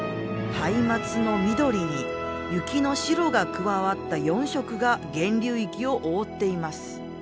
ハイマツの緑に雪の白が加わった４色が源流域を覆っています。